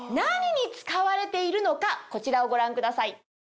こちらをご覧ください。